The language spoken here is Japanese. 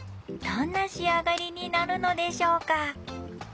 んな仕上がりになるのでしょうか？